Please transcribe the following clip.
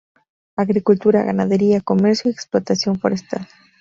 Agricultura, ganadería, comercio y explotación forestal.